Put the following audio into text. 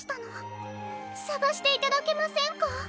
さがしていただけませんか？